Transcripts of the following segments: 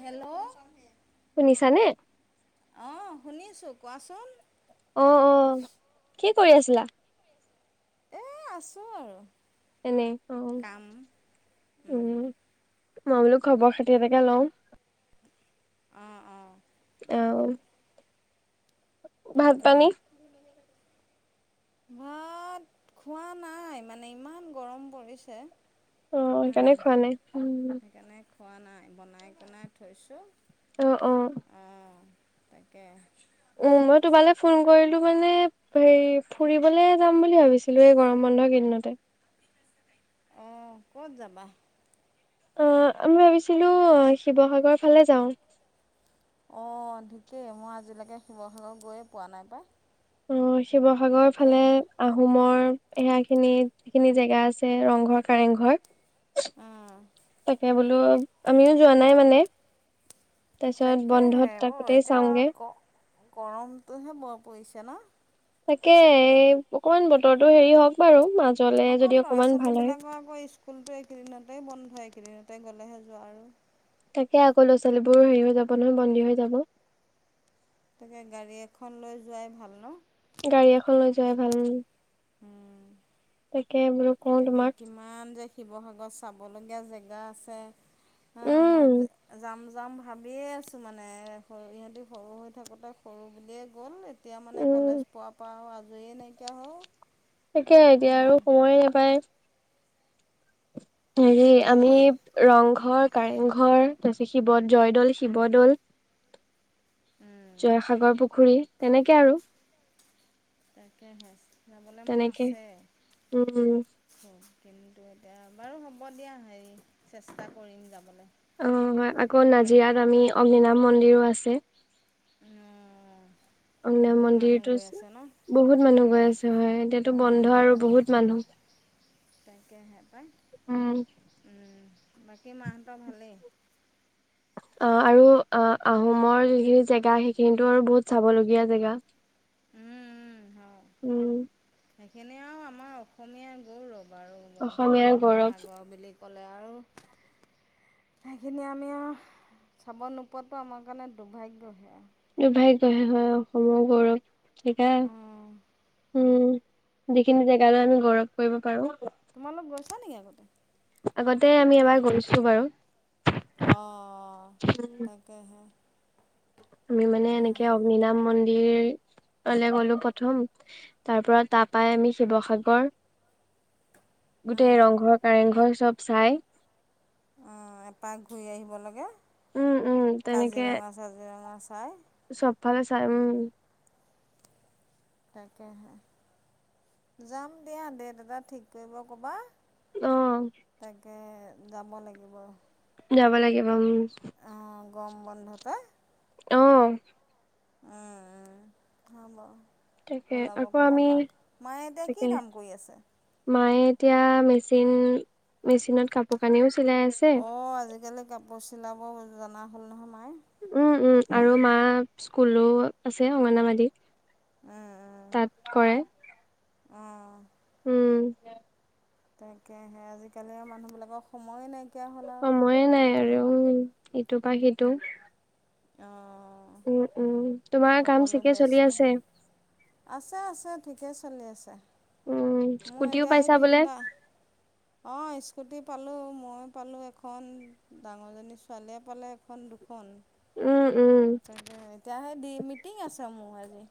Hello. শুনিছানে? অ' শুনিছোঁ কোৱাচোন। অ' অ' কি কৰি আছিলা? এ আছোঁ আৰু। এনে অ'। কাম উম মই বোলো খবৰ খাতি এটাকে লও। অ' অ'। অ'। ভাত তাকে পানী? ভাত খোৱা নাই মানে ইমান গৰম পৰিছে। অ' সেইকাৰণে খোৱা নাই, উম। থোৱা নাই বনাই কনাই থৈছোঁ অ অ। অঁ তাকে। উ মই তোমালৈ ফোন কৰিলো মানে হে ফুৰিবলে যাম বুলি ভাবিছিলো এই গৰমত। বন্ধ কিদিনতে। অহ ক'ত যাবা? অহ আমি ভাবিছিলোঁ শিৱসাগৰ ফালে যাওঁ। অঁ ঠিকে মই আজিলেকে শিৱসাগৰ গৈয়ে পোৱা নাই পাই। অ শিৱসাগৰ তাকে ফালে আহোমৰ এয়া এখিনি, যিখিনি জেগা আছে ৰংঘৰ, কাৰেংঘৰ। তাকে বোলো আমিও যোৱা নাই মানে। তাৰপিছত বন্ধত তাকেহে ব তাকোতেই এতিয়া চাওঁগে গ গৰমটোহে বৰ পৰিছে ন? তাকে অকমান বতৰটো হেৰি হওক বাৰু মা আকৌ ল'ৰা ছোৱালী বিলাকৰ আকৌ স্কুলতো এইকেইদিনতে বন্ধ এইকেইদিন তে গ'লেহে যোৱা আৰু। তাকে আকৌ ল'ৰা ছোৱালীবোৰ হেৰি হৈ যাব নহয় বন্দী হৈ যাব। তাকে গাড়ী এখন লৈ যোৱাই ভাল ন? গাড়ী এখন লৈ যোৱাই ভাল। উম। তাকে বোলো কওঁ তোমাক। শিৱসাগৰ চাবলগীয়া জেগা আছে। হা মই উম যাম যাম ভাবিয়ে আছোঁ মানে ইহঁতি সৰু হৈ থাকোঁতে সৰু বুলিয়েই গ'ল। তেতিয়া মানে কলেজ উম পোৱা পা অ আজৰিয়ে নাইকিয়া হ'। তাকে এতিয়া আৰু সময়ে নাপায়। হেৰি আমি তাকেহে ৰংঘৰ। কাৰেংঘৰ তাৰপিছত শিৱ জয়দৌল, শিৱদ'ল। জয়সাগৰ পুখুৰী তেনেকে আৰু। তাকেহে যাবলে মন তেনেকে আছে। উম উম। খ। কিন্তু এতিয়া বাৰু হ'ব দিয়া হেৰি চেষ্টা কৰিম যাবলে। অ হয় আকৌ নাজিৰাত আমি অম্নিনা মন্দিৰো আছে। উম। অম্নান মন্দিৰটো ন চোৱা। বহুত মানুহ গৈ আছে হয় এতিয়াতো বন্ধ আৰু বহুত মানুহ। তাকেহে পাই। উম উম। বাকী মাহঁতৰ ভালে। অ আৰু অ আহোমৰ যিখিনি জেগা সেইখিনিতো আৰু বহুত চাবলগীয়া জেগা। উম। সেনে আৱ আমাৰ অসমীয়া গৌৰৱ আৰু অসমীয়াৰ গৌৰৱ শিৱসাগৰ বেলেগ। কলে আৰু। সেইখিনি আমি আৰু চাব নোপোৱাটো আমাৰ কাৰণে দুভাগ্যহে। দুভাগ্যহে হয় অ অসমৰ গৌৰৱ সিকা। উম যিখিনি জেগালৈ আমি গৌৰৱ কৰিব পাৰো। ত নেকি আগতে? আগতে আমি এবাৰ গৈছো বাৰু। অহ তাকেহে। আমি মানে এনেকে অগ্নি নাম মন্দিৰ। লে গলো প্ৰথম। তাৰ পৰা তাপাই আমি শিৱসাগৰ। গোটেই অ', ৰংঘৰ, কাৰেংঘৰ চব চাই। অ এপাক ঘূৰি আহিব লাগে। উম উম তেনেকে কাজিৰঙা চাজিৰঙা চাই। ফালেচাই উম। যাম দিয়া ডেট এটা ঠিক কৰিব কবা। অ তাকে যাব লাগিব। যাব লাগিব উম। অ গৰম বন্ধতে। অঁ উম উম হ ব। তাকে ওলাব আকৌ ক'বা আমি মাক মায়ে এতিয়া কি তাকে কাম কৰি আছে। মায়ে এতিয়া মেচিন মেচিনত কাপোৰ কানিও চিলাই আছে। অঁ আজিকালি কাপোৰ চিলাব জনা হ'ল নহয় মাই। উম উম আৰু মা স্কুলো আছে অগনামাদী। তাত কৰে। অ। উম। তাককেহে আজিকালি মানুহ বিলাকৰ সময়ে নাই। সময়ে নাই আৰু ইটো পা সিটো। অ। উম উম। তোমাৰ কাম সকলো ঠিকে চলি ব্যস্ত আছে আছে আছে ঠিকে চলি আছে। উম মোৰ স্কুটিও এতিয়াই পাইছা বোলে তিনিটা অ। স্কুটি পালোঁ মই পালোঁ এখন ডাঙৰজনী ছোৱালীয়ে পালে এখন দুখন। উম। উম আহ দি মিটিং আছ মোৰ আজি।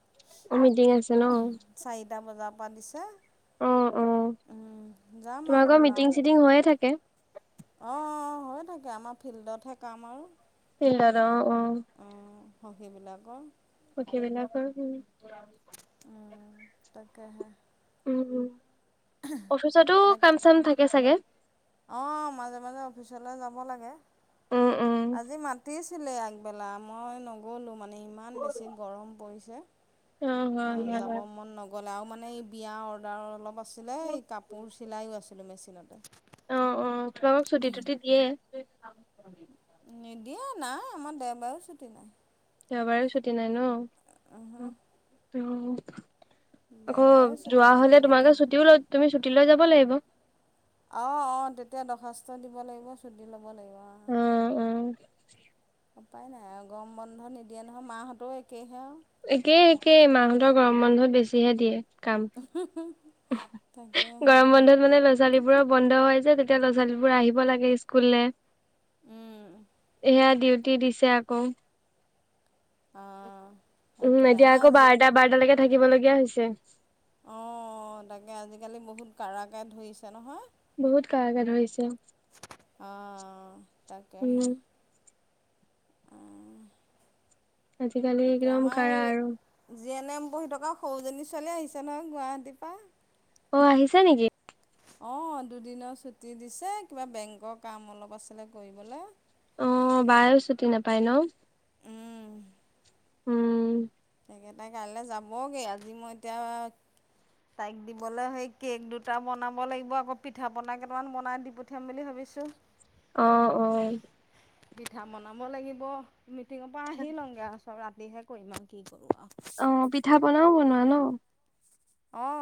মিটিং আছে ন। এটা বজাপা দিছে। অ অ উম যাম তোমালোকৰ মিটিং চিটিং হৈয়ে থাকে। অ হৈয়ে থাকে। আমাৰ ফিল্ডতহে কাম আৰু ফিল্ডত অঁ অঁহ। উম, সখীবিলাকৰ সখীবিলাকৰ উম। উম তাকে হে। উম, অফিচটো কাম চাম থাকে চাগে? অ মাজে মাজে অফিচলে যাব লাগে। উম উম আজি মাতিছিলে আগবেলা মই নগ'লো মানে ইমান বেছি গৰম পৰিছে। অহ হয় হয় হয়। গ'লে আৰু মানে এই বিয়া অৰ্ডাৰ অলপ আছিলে এই কাপোৰ চিলাইয়ো আছিলোঁ মেচিনতে অ অ তোমালোকক ছুটি তুটি দিয়ে। নিদিয়ে নাই আমাৰ দেওবাৰেও ছুটি নাই। দেওবাৰেও ছুটি নাই ন। উহু। অহ, আকৌ ছুটি যোৱা নাই হ'লে মিটিং তোমালোকে ছুটিও লৈ তুমি ছুটি লৈ যাব লাগিব। অ অ তেতিয়া দৰ্খাস্ত দিব লাগিব ছুটি ল'ব লাগিব। অঁ উম উম। উপায় নাই আৰু গৰম বন্ধ নিদিয়ে নহয় মাহঁতও একেহে আৱ। একেই একেই মাহঁতৰ গৰম বন্ধত বেছিহে দিয়ে। কাম। উমহ, তাকেহে গৰম বন্ধত মানে ল'ৰা ছোৱালী বোৰ বন্ধ হয় যে তেতিয়া ল'ৰা ছোৱালীবোৰে আহিব লাগে স্কুললে। উম, এয়া ডিউটি দিছে আকৌ। অহ। উম এতিয়া আকৌ বাৰটা বাৰটালেকে থাকিব লগীয়া হৈছে। অঁ তাকে আজিকালি বহুত কাৰাকে ধৰিছে নহয়। বহুত কাৰাকে ধৰিছে। অহ উম, তাকেহে। অঁ আজিকালি তাকে একদম আমাৰ এই কাৰা আৰু জি এন এম পঢ়ি থকা সৰুজনী ছোৱালী আহিছে নহয় গুৱাহাটীৰ পৰা অঁ আহিছা নেকি? অঁ দুদিনৰ ছুটি দিছে কিবা বেংকৰ কাম অলপ আছিলে কৰিবলে। অঁ বায়ো ছুটি নেপায় ন। উম উম। সেইকেইটাই কাইলে যাবগে আজি মই এতিয়া তাইক দিবলে সেই কেক দুটা বনাব লাগিব আকৌ পিঠা পনা কেইটামান বনাই দি পঠিয়াম বুলি ভাবি বিছোঁ। অহ অহ। পিঠা বনাব লাগিব। মিটিঙৰ পৰা আহি লংগে আৱ চব ৰাতিহে কৰিম আৱ কি কৰোঁ আৱ। অঁ পিঠা পনাও বনোৱা ন অঁ।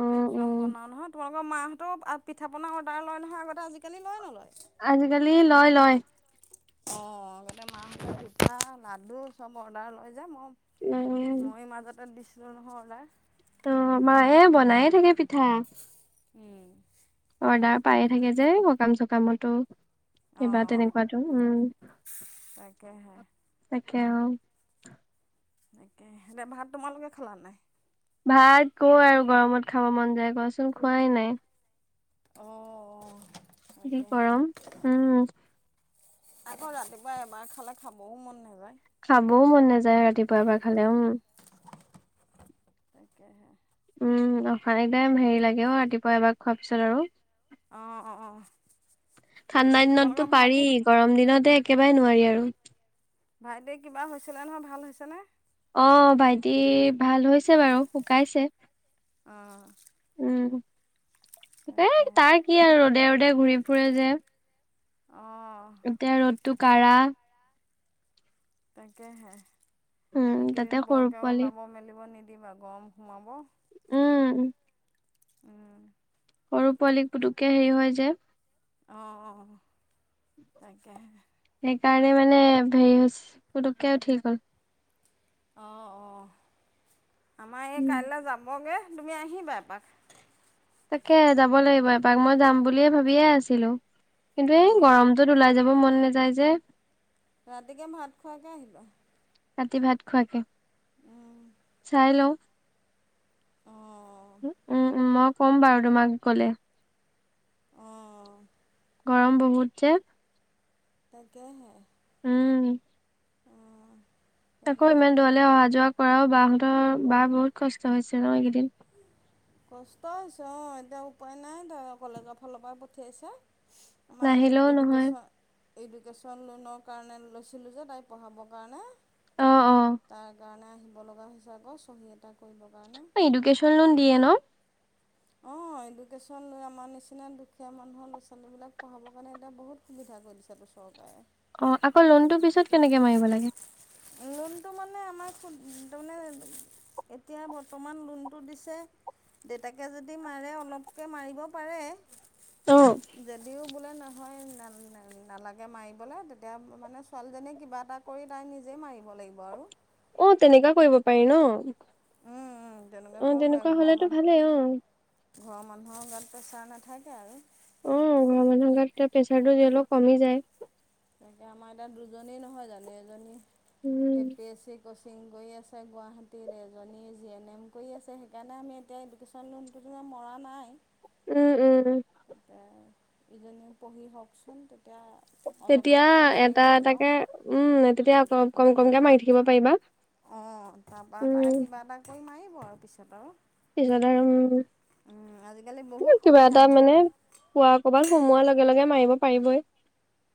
অ অ চব বনাও নহয় তোমালোকৰ মাহঁতেও আ পিঠা পনা অৰ্ডাৰ লয় নহয় আগতে আজিকালি লয় নলয়। আজিকালি লয় লয়। অঁ আগতে মাহঁতে পিঠা লাডু চব অৰ্ডাৰ লয় যে মই উম মই মাজতে দিছিলোঁ নহয় অৰ্ডাৰ। অঁ মায়ে বনায়ে থাকে পিঠা। উম অৰ্ডাৰ পায়ে থাকে যে সকাম চকামতো কিবা অ', তেনেকুৱাতো উম তাকেহে তাকে অ তাকে স ভাত তোমালোকে খালা নাই ভাত কওঁ আৰু গৰমত খাব মন যায় কোৱাচোন খোৱাই নাই অঁ অঁ। যি গৰম উম আকৌ ৰাতিপুৱা এবাৰ খালে খাবও মন নাযায় খাবও মন নাযায় ৰাতিপুৱাৰ এবাৰ খালে উম তাকেহে উম অফাৰেটাইম হেৰি লাগে অ ৰাতিপুৱা এবাৰ খোৱাৰ পিছত আৰু অঁ অঁ অঁ ঠাণ্ডা দিনততো পাৰি গৰম দিনতে একেবাৰে নোৱাৰি আৰু ভাইটি কিবা হৈছে নহয় ভাল হৈছেনে অঁ ভাইটি ভাল হৈছে বাৰু শুকাইছে অঁ উম। তাকে তাৰ কি আৰু ৰ'দে ৰ'দে ঘূৰি ফুৰে যে অঁ টো কাৰা তাকেহে উম, তাতে এইকেইদিন সৰু বৰকে পোৱালি ওলাব মেলিব নিদ দিবা গৰম সোমাব উম উম সৰু পোৱালি পুটোকে হেৰি হয় যে অঁ তাকে সেইকাৰণে মানে হেৰি পুতুককে উঠি গল অঁ অঁ আমাৰ এই উম, কাইলৈ যাবগৈ তুমি আহিবা এপাক তাকে যাব লাগিব এপাক মই যাম বুলিয়ে ভাবিয়ে আছিলো কিন্তু এই অঁ গৰমটোত ওলাই যাব মোৰ মন নাযায় যে ৰাতিকে ভাত খোৱাকে আহিবা। ৰাতি ভাত খোৱাকে, উম চাই লওঁ। অ' উম' মই কম বাৰু তোমাক গ'লে। অঁ গৰম বহুত যে। তাকেহে। উম' অঁ আকৌ তাকে ইমান দূৰলৈ অহা যোৱা কৰাও, বাহঁতৰ বাৰ বহুত কষ্ট হৈছে ন এইকেইদিন? কষ্ট হৈছে অ' এতিয়া উপায় নাই ধৰা কলেজৰ ফালৰ পৰা পঠিয়াইছে। মাইল নাহিলেও নহয় ইডুকেশ্যন এডুকেশ্যন লোনৰ কাৰণে লৈছিলোঁ যে তাই পঢ়াবৰ কাৰণে। অ অ তাৰ কাৰণে আহিব লগা হৈছে আকৌ, চহী এটা কৰিব কাৰণে এডুকেশ্যন লোন দিয়ে ন! [inaudible] অ এডুকেশ্যন আমাৰ নিচিনা দুখীয়া মানুহৰ ল'ৰা ছোৱালী বিলাক পঢ়াব কাৰণে এতি এতিয়া সুবিধা দিছে ত চকায়ে। অ' আকৌ লোনটো পিছত কেনেকে মাৰিব লাগে? এ আমাৰ তাৰমানে এতিয়া বৰ্তমান লোনটো দিছে দেউতাকে যদি মাৰে অলপকে মাৰিব পাৰে, অ যদিও বোলে নালাগে মাৰিবলে, তেতিয়া মানে ছোৱালীজনীয়ে কিবা এটা কৰি তাই নি যে মাৰিব লাগিব আৰু্ অ তেনেকুৱা কৰিব পাৰি ন? উম উম' তেনেকুৱা অ কৰিব পাৰে, ঘৰৰ হলেতো ভালেই অ মানুহ ঘৰৰ মানুহৰ গাত প্ৰেচাৰ নাথাকে আৰু। অ ঘৰৰ মানুহ গাত প্ৰেছাৰটো অলপ কমি যায়। তাকে আমাৰ এতিয়া দুজনী নহয় জানো এজনী এ উম পি এছ চি কোচিং কৰি আছে গুৱাহাটীত এজনী জি এন এম কৰি আছে, সেইকাৰণে আমি এতিয়া এডুকেশ্যন লোনটো পোৰা মৰা নাই উম উম' তেতিয়া ইজনী পঢ়ি হওকচোন তেতিয়া অলপ তেতিয়া অলপকৈ মাৰি এটা থাকিম আৰু এটাকে উম তেতিয়া অ কম কমকে মাৰি থাকিব পাৰিবা। অঁ তাৰপা উম পাই কিবা এটা কৰি মাৰিব আৰু পিছত আৰু। পিছত আৰু উম, আজিকালি বহুত উম' কিবা সুবিধা এটা হ'ল। মানে পোৱা কবাত সুমোৱাৰ লগে লগে মাৰিব পাৰিবই।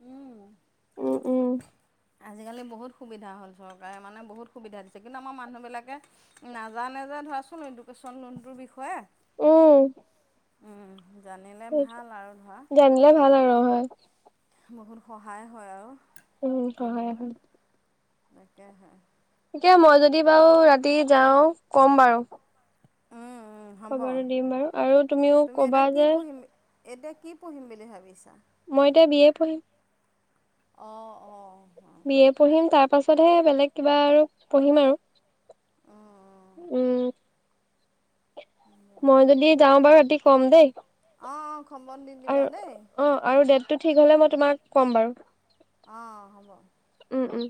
উম' উম উম' আজিকালি বহুত সুবিধা হ'ল, চৰকাৰে মানে বহুত সুবিধা দিছে, কিন্তু আমাৰ মানুহবিলাকে নাজানে যে ধৰ চোন এডুকেশ্যন লোনটোৰ বিষয়ে উম' উম' জানিলে সেইটো, ভাল আৰু ধৰা জানিলে ভাল আৰু নহয় বহুত সহায় হয় আৰু। উ হয় হয় মানুহৰ হয়। তাকেহে এ মই যদি বাৰু ৰাতি যাওঁ কম বাৰু। উম, উম হ'ব খবৰটো দিম বাৰু, আৰু তুমিও তুমি এতিয়া কবা কি যে পঢ়িম এতিয়া কি পঢ়িম বুলি ভাবিছা? মই এতিয়া বি এ পঢ়িম। অ অ' বি এ পঢ়িম, তাৰ পাছতহে বেলেগ কিবা আৰু পঢ়িম অঁ, আৰু। অঁ উ হ'ব। মই যদি যাওঁ বাৰু ৰাতি কম দেই। অহ খবৰ দি আৰু দিবা দেই। অ', আৰু ডেটটো ঠিক হ'লে মই তোমাক ক'ম বাৰু। অ হ'ব উম উম